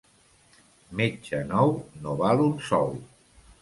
Metge nou no val un sou.